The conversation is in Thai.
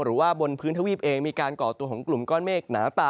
บนพื้นทวีปเองมีการก่อตัวของกลุ่มก้อนเมฆหนาตา